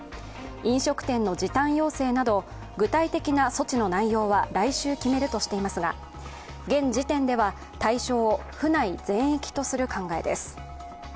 飲食店の時短要請など具体的な措置の内容は来週決めるとしていますが、現時点では対象を府内全域とする考えです。